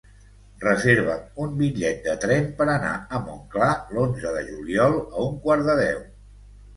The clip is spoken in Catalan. Reserva'm un bitllet de tren per anar a Montclar l'onze de juliol a un quart de deu.